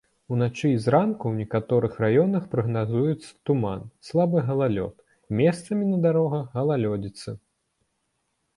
Уначы і зранку ў некаторых раёнах прагназуецца туман, слабы галалёд, месцамі на дарогах галалёдзіца.